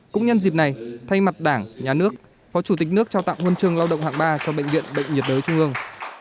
cũng nhân dịp này thay mặt đảng nhà nước phó chủ tịch nước trao tặng huân chương lao động hạng ba cho bệnh viện bệnh nhiệt đới trung ương